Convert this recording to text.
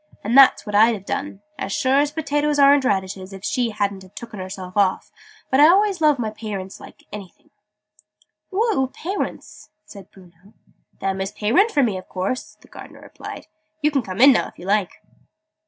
"And that's what I'd have done as sure as potatoes aren't radishes if she hadn't have tooken herself off! But I always loves my pay rints like anything." "Who are oor pay rints?" said Bruno. "Them as pay rint for me, a course!" the Gardener replied. "You can come in now, if you like."